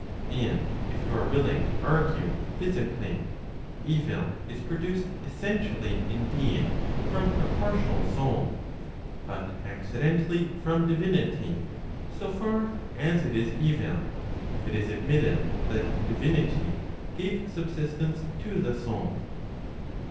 And if you are willing to argue physically, evil is produced essentially indeed from a partial soul, but accidentally from divinity, so far as it is evil, if it is admitted that divinity gave subsistence to the soul.